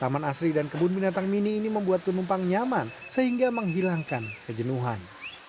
taman asri dan kebun binatang mini ini membuat penumpang nyaman sehingga menghilangkan kejenuhan